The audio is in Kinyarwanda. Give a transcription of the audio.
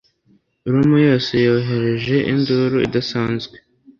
Roma yose yohereje induru idasanzwe